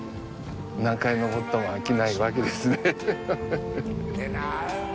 何回登っても飽きないわけですね。